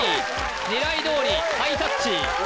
狙いどおりハイタッチ